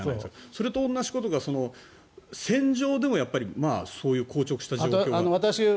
それと同じことが戦場でもそういう硬直したことが。